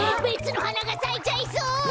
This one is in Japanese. べつのはながさいちゃいそう！